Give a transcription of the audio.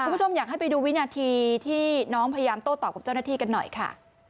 คุณผู้ชมอยากให้ไปดูวินาทีที่น้องพยายามโต้ตอบกับเจ้าหน้าที่กันหน่อยค่ะ